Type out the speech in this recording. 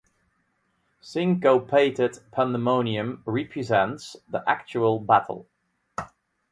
"Syncopated Pandemonium" represents the actual battle.